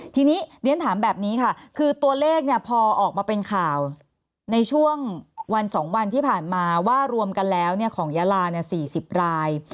ทีนี้เรียนถามแบบนี้ค่ะคือตัวเลขพอออกมาเป็นข่าวในช่วงวัน๒วันที่ผ่านมาว่ารวมกันแล้วของยาลา๔๐ราย